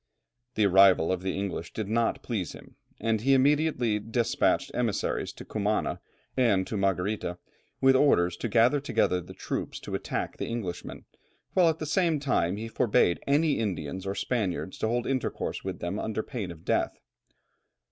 The arrival of the English did not please him, and he immediately despatched emissaries to Cumana and to Margarita, with orders to gather together the troops to attack the Englishmen, while at the same time he forbade any Indians or Spaniards to hold intercourse with them under pain of death.